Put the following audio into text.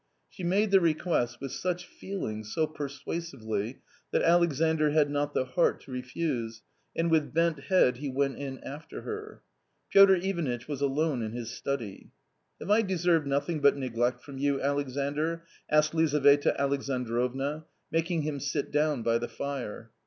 She made the request with such feeling, so persuasively, that Alexandr had not the heart to refuse, and with bent head he went in after her. Piotr Ivanitch was alone in his study. "Have I deserved nothing but neglect from you, Alexandr?" asked Lizaveta Alexandrovna, making him sit down by the fire.